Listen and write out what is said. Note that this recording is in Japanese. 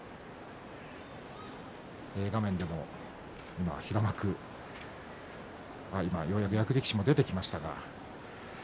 画面でも今、平幕ようやく役力士も出てきましたが。